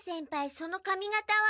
そのかみがたは？